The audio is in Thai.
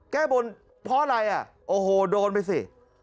แก้บนเพราะอะไรอ่ะโอ้โหโดนไปสิ